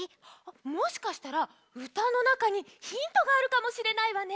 もしかしたらうたのなかにヒントがあるかもしれないわね。